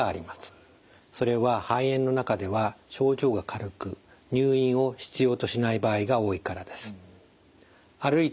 それは肺炎の中では症状が軽く入院を必要としない場合が多いからです。